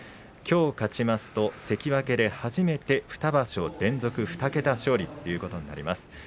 きょう勝ちますと関脇で初めて２場所連続２桁勝利ということになります。